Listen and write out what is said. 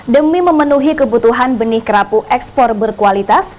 demi memenuhi kebutuhan benih kerapu ekspor berkualitas